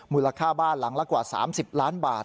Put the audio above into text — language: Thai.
มูลค่าบ้านหลังละกว่า๓๐ล้านบาท